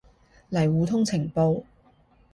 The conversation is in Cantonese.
嚟互通情報